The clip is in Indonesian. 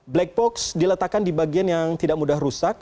black box diletakkan di bagian yang tidak mudah rusak